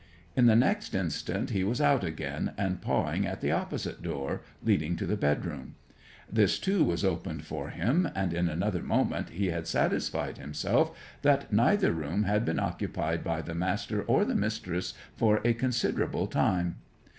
In the next instant he was out again, and pawing at the opposite door, leading to the bedroom. This, too, was opened for him, and in another moment he had satisfied himself that neither room had been occupied by the Master or the Mistress for a considerable time.